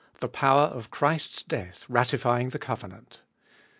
THE POWER OF CHRIST'S DEATH RATIFYING THE COVENANT.